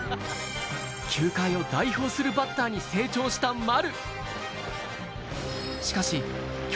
球界を代表するバッターに成長した丸。